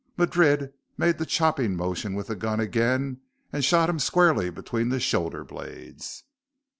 Madrid made the chopping motion with the gun again and shot him squarely between the shoulder blades.